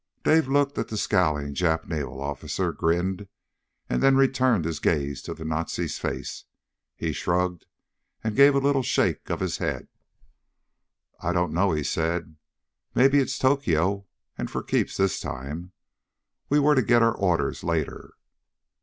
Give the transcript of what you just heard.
Dave looked at the scowling Jap naval officer, grinned, and then returned his gaze to the Nazi's face. He shrugged and gave a little shake of his head. "I don't know," he said. "Maybe it's Tokyo, and for keeps this time. We were to get our orders later."